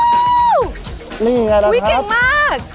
เก่งมาก